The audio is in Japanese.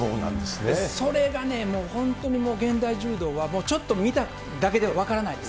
それがね、もう本当に現代柔道はもうちょっと見ただけでは分からないです。